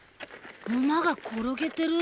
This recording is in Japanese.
馬が転げてる。